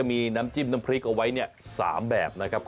มีน้ำจิ้มน้ำพริกเอาไว้๓แบบ